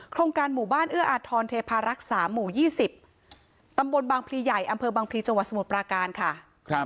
โครงการหมู่บ้านเอื้ออาทรเทพารักษาหมู่๒๐ตำบลบางพลีใหญ่อำเภอบางพลีจังหวัดสมุทรปราการค่ะ